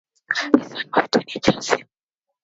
He soon moved to New Jersey.